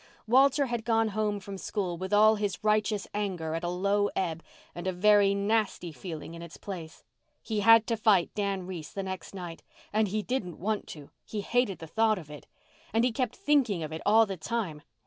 Walter had gone home from school with all his righteous anger at a low ebb and a very nasty feeling in its place. He had to fight Dan Reese the next night—and he didn't want to—he hated the thought of it. And he kept thinking of it all the time.